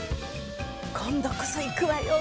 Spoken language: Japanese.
今度こそ行くわよ